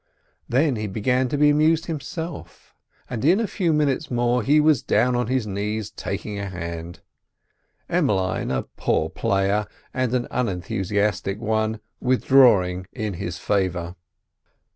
Then he began to be amused himself, and in a few minutes more he was down on his knees taking a hand; Emmeline, a poor player and an unenthusiastic one, withdrawing in his favour.